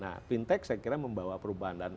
nah fintech saya kira membawa perubahan dan